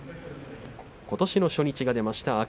ことしの初日が出ました